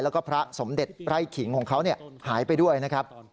แล้วก็พระสมเด็จไร่ขิงของเขาหายไปด้วยนะครับ